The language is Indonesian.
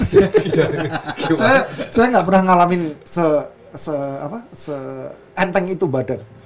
saya gak pernah ngalamin se enteng itu badan